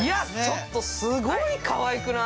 ちょっと、すごいかわいくない？